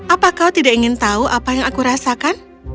apa kau tidak ingin tahu apa yang aku rasakan